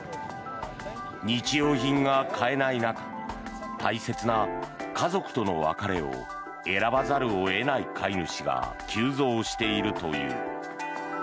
日用品が買えない中大切な家族との別れを選ばざるを得ない飼い主が急増しているという。